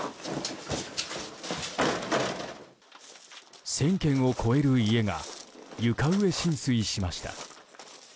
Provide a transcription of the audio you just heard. １０００軒を超える家が床上浸水しました。